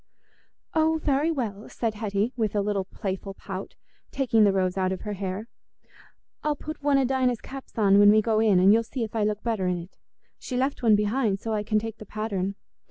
"Oh, very well," said Hetty, with a little playful pout, taking the rose out of her hair. "I'll put one o' Dinah's caps on when we go in, and you'll see if I look better in it. She left one behind, so I can take the pattern."